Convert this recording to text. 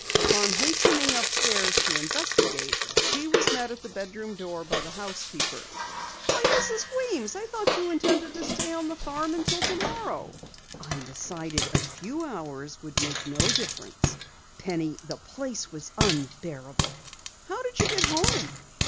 Upon hastening upstairs to investigate, she was met at the bedroom door by the housekeeper. "Why, Mrs. Weems! I thought you intended to stay on the farm until tomorrow!" "I decided a few hours would make no difference. Penny, the place was unbearable." "How did you get home?"